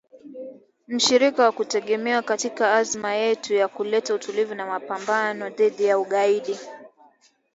“mshirika wa kutegemewa katika azma yetu ya kuleta utulivu na mapambano dhidi ya ugaidi”